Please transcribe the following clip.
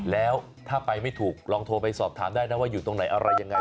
แล้วถ้าไปไม่ถูกลองโทรไปสอบถามได้นะว่าอยู่ตรงไหนอะไรยังไง